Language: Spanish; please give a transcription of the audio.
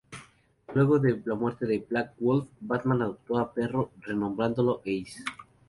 Luego de la muerte de Black Wolf, Batman adoptó a Perro, renombrándolo Ace.